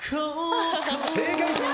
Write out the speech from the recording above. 正解！